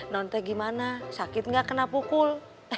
non teh gimana sakit nggak kena pukul